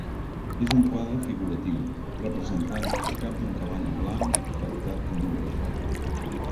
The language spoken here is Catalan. És un quadre figuratiu, representant el cap d'un cavall blanc tractat com un retrat.